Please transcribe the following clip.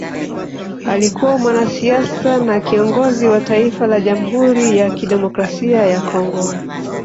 Alikuwa mwanasiasa na kiongozi wa Taifa la Jamhuri ya kidemokrasia ya Kongo